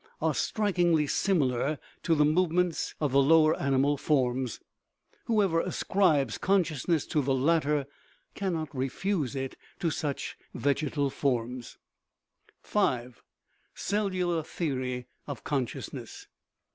are strik ingly similar to the movements of the lower animal forms: whoever ascribes consciousness to the latter cannot refuse it to such vegetal forms. V. Cellular theory of consciousness.